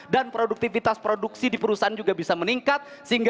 dan produktivitas produksi di perusahaan juga bisa meningkat sehingga